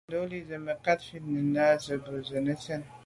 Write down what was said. Ndɔ̌lî zə̀ mə̀kát fít nə̀ tswə́ bû zə̀ nə́ sɛ́n.